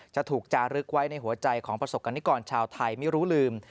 จะถูกจารึกไว้ในหัวใจของประสบกรณิกรชาวไทยไม่รู้ลืม